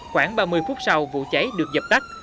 khoảng ba mươi phút sau vụ cháy được dập tắt